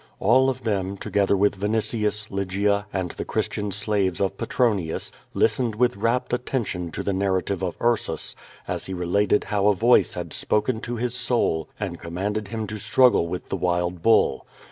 All of them, together with Vinitius, Lygia, and the Christian slaves of Petronius, listened with rapt attention to the narrative of Ursus, as he related how a voice had spoken to his soul and commanded him to struggle with the wild bull.